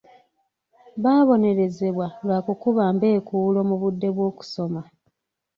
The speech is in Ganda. Baabonerezebwa lwa kukuba mbeekuulo mu budde bw'okusoma.